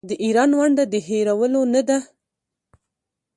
د ایران ونډه د هیرولو نه ده.